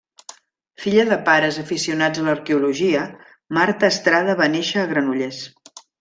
Filla de pares aficionats a l'arqueologia, Marta Estrada va néixer a Granollers.